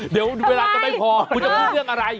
เดี๋ยวเวลาจะไม่พอคุณจะพูดเรื่องอะไร